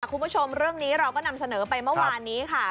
คุณผู้ชมเรื่องนี้เราก็นำเสนอไปเมื่อวานนี้ค่ะ